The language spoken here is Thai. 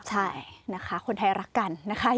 ใช่นะคะคนไทยรักกันนะคะ